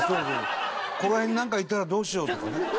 この辺になんかいたらどうしようとかね。